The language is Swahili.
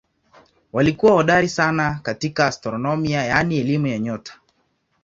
Walikuwa hodari sana katika astronomia yaani elimu ya nyota.